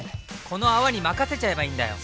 この泡に任せちゃえばいいんだよ！